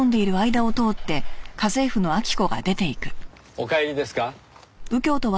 お帰りですか？